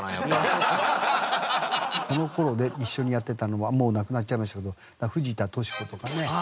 この頃で一緒にやってたのはもう亡くなっちゃいましたけど藤田淑子とかね。